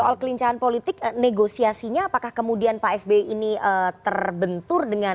soal kelincahan politik negosiasinya apakah kemudian pak sby ini terbentur dengan